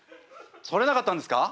捕れなかったんですか？